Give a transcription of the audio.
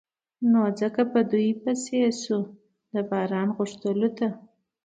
نو ځکه په دوی پسې شو د باران غوښتلو ته.